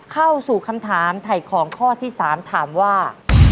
เข้าสู่คำถามถ่ายของข้อที่๓ถามว่า